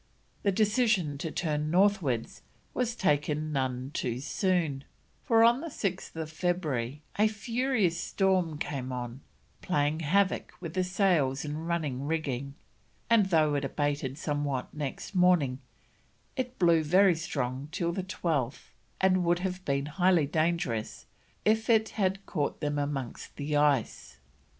The decision to turn northwards was taken none too soon, for on 6th February a furious storm came on, playing havoc with the sails and running rigging, and though it abated somewhat next morning, it blew very strong till the 12th, and would have been highly dangerous if it had caught them amongst the ice.